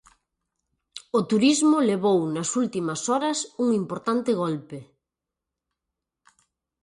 O turismo levou nas últimas horas un importante golpe.